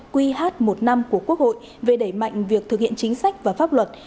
quy hát một năm của quốc hội về đẩy mạnh việc thực hiện chính sách và pháp luật